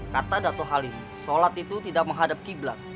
kata dato halim sholat itu tidak menghadap qiblat